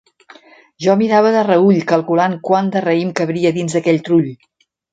Jo mirava de reüll, calculant quant de raïm cabria dins d'aquell trull.